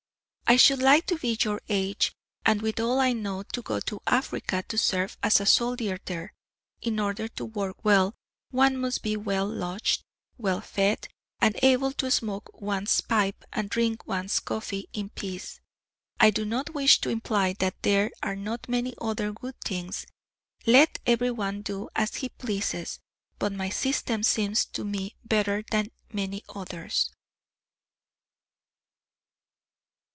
I should like to be your age, and, with all I know, to go to Africa to serve as a soldier there. In order to work well, one must be well lodged, well fed, and able to smoke one's pipe and drink one's coffee in peace. I do not wish to imply that there are not many other good things; let everyone do as he pleases; but my system seems to me better than many others.